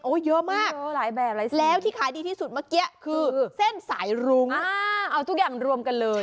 เยอะมากหลายแบบหลายแล้วที่ขายดีที่สุดเมื่อกี้คือเส้นสายรุ้งเอาทุกอย่างรวมกันเลย